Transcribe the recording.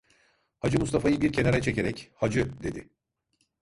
Hacı Mustafa'yı bir kenara çekerek: - Hacı, dedi.